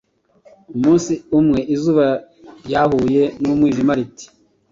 Umunsi umwe, izuba ryahuye n’umwijima riti: “